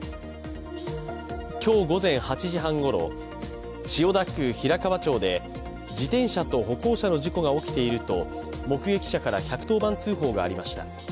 今日午前８時半ごろ千代田区平河町で自転車と歩行者の事故が起きていると目撃者から１１０番通報がありました。